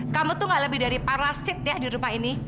kamu tuh gak lebih dari parasit ya di rumah ini